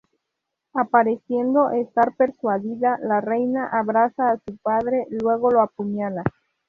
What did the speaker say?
Apareciendo estar persuadida, la Reina abraza asu padre, luego lo apuñala.